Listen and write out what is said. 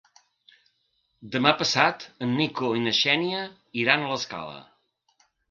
Demà passat en Nico i na Xènia iran a l'Escala.